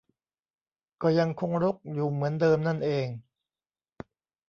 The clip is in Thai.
ก็ยังคงรกอยู่เหมือนเดิมนั่นเอง